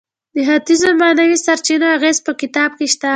د ختیځو معنوي سرچینو اغیز په کتاب کې شته.